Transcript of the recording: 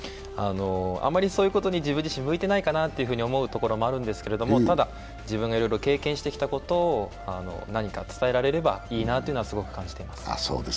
あまりそういうことに自分自身、向いてないかなと思うところもあるんですけど、ただ、自分がいろいろ経験してきたことを何か伝えられればいいなとすごく感じています。